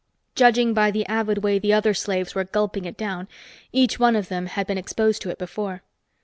Judging by the avid way the other slaves were gulping it down, each one of them had been exposed to it before.